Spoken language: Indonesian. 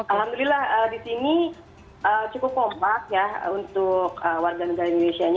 alhamdulillah di sini cukup kompak ya untuk warga negara indonesia